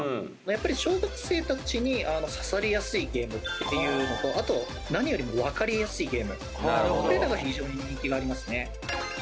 やっぱり小学生たちに刺さりやすいゲームっていうのとあと何よりもわかりやすいゲームっていうのが非常に人気がありますね。